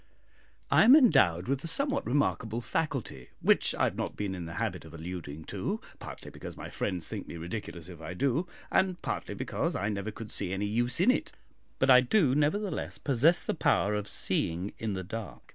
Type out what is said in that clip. I am endowed with a somewhat remarkable faculty, which I have not been in the habit of alluding to, partly because my friends think me ridiculous if I do, and partly because I never could see any use in it, but I do nevertheless possess the power of seeing in the dark.